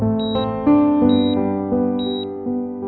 aku pun absurd